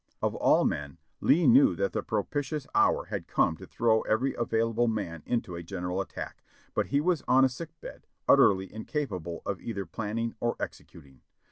Of all men, Lee knew that the propitious hour had come to throw every a^•ailable man into a general attack, but he was on a sick bed, utterly incapable of either planning or executing.